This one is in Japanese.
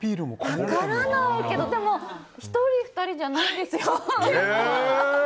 分かりますけど１人２人じゃないんですよ。